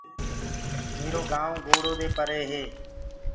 ميرو گآئونٚ گوڙ اور شورو دي پري هي